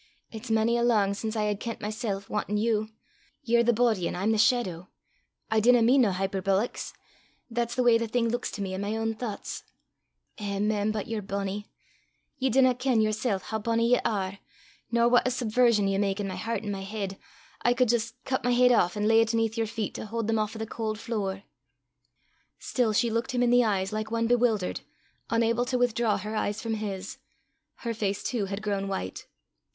It's mony a lang sin I hae kent mysel' wantin' you. Ye're the boady, an' I'm the shaidow. I dinna mean nae hyperbolics that's the w'y the thing luiks to me i' my ain thouchts. Eh, mem, but ye're bonnie! Ye dinna ken yersel' hoo bonnie ye are, nor what a subversion you mak i' my hert an' my heid. I cud jist cut my heid aff, an' lay 't aneth yer feet to haud them aff o' the caul' flure." Still she looked him in the eyes, like one bewildered, unable to withdraw her eyes from his. Her face too had grown white.